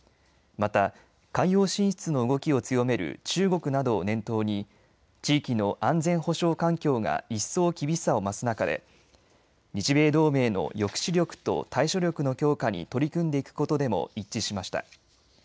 また、海洋進出の動きを強める中国などを念頭に地域の安全保障環境が一層厳しさを増す中で、日米同盟の抑止力と対処力の強化に取り組んでいくことでも一致しました。